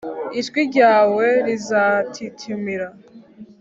ijwi ryawe rizatitimira